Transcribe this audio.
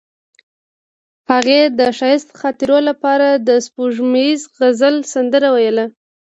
هغې د ښایسته خاطرو لپاره د سپوږمیز غزل سندره ویله.